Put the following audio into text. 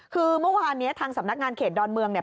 คือเมื่อวานนี้ทางสำนักงานเขตดอนเมืองเนี่ย